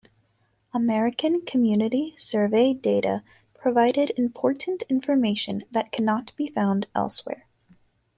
American Community Survey data provide important information that cannot be found elsewhere.